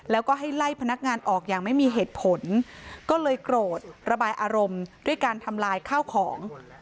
แล้วก็ให้ไล่พนักงานออกอย่างไม่มีเหตุผลก็เลยโกรธระบายอารมณ์ด้วยการทำลายข้าวของ